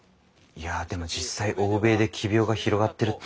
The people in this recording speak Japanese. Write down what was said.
いやでも実際欧米で奇病が広がってるって。